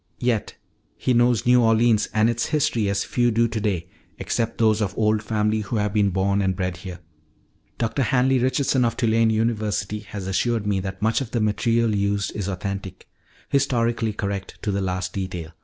"Yet he knows New Orleans and its history as few do today except those of old family who have been born and bred here. Dr. Hanly Richardson of Tulane University has assured me that much of the material used is authentic historically correct to the last detail.